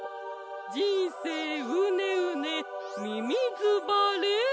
じんせいうねうねみみずばれ！